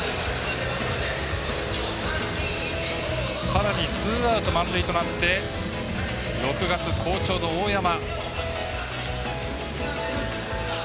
さらにツーアウト、満塁となって６月好調の大山。